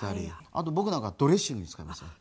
あと僕なんかドレッシングに使いますよ。